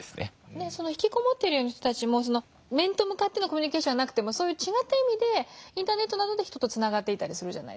その引きこもっている人たちも面と向かってのコミュニケーションはなくても違った意味でインターネットなどで人とつながっていたりする。